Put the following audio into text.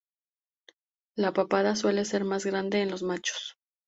La papada suele ser más grande en los machos.